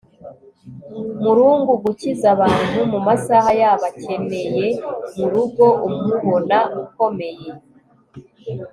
murungu gukiza abantu mumasaha yabo akeneye mugo, umubona ukomeye